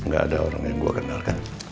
gak ada orang yang gue kenalkan